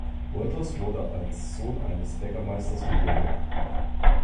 Wolters wurde als Sohn eines Bäckermeisters geboren.